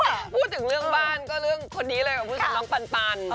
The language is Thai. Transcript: อยากรู้อะ